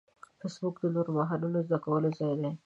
فېسبوک د نوو مهارتونو زده کولو ځای دی